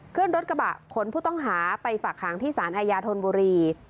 ขึ้นรถกระบะขนผู้ต้องหาไปฝากหางที่สารอาญาธนบุรี